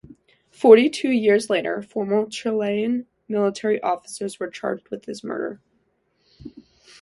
Forty-two years later, former Chilean military officers were charged with his murder.